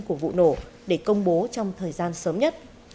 của vụ nổ để công bố trong thời gian sớm nhất